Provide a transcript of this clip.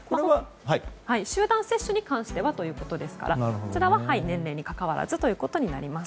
集団接種に関してはということですからこちらは年齢にかかわらずということになります。